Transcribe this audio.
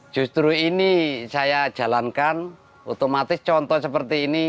justru ini saya jalankan otomatis contoh seperti ini